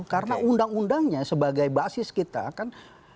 karena undang undangnya sebagai basis kita kan